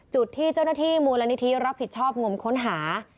จุดที่เจ้าหน้าที่มูลนิธิรับผิดชอบงมค้นหา